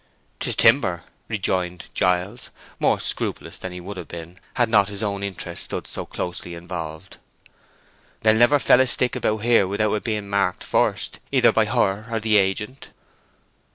"'Tis timber," rejoined Giles, more scrupulous than he would have been had not his own interests stood so closely involved. "They'll never fell a stick about here without it being marked first, either by her or the agent."